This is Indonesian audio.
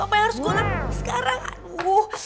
apa yang harus gue lakukan sekarang aduh